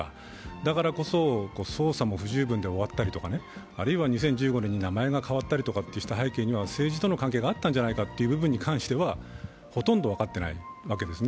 だからこそ捜査も不十分で終わったり、あるいは２０１５年に名前が変わったりした背景には政治との関係があったんじゃないかという部分に関してはほとんど分かっていないわけですね。